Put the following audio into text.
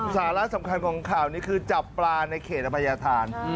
สาระสำคัญของข่าวนี้คือจับปลาในเขตอภัยธาน